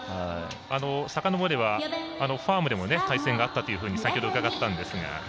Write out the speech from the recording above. さかのぼればファームでも対戦があったというふうに先ほど伺ったんですが。